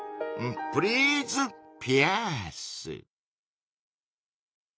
プリーズピアース。